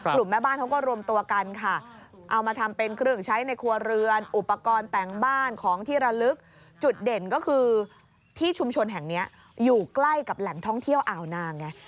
แม่บ้านเขาก็รวมตัวกันค่ะเอามาทำเป็นเครื่องใช้ในครัวเรือนอุปกรณ์แต่งบ้านของที่ระลึกจุดเด่นก็คือที่ชุมชนแห่งนี้อยู่ใกล้กับแหล่งท่องเที่ยวอ่าวนางไง